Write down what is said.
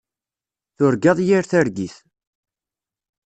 Turgaḍ yir targit.